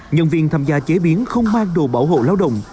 nhân viên tham gia chế biến không mang đồ bảo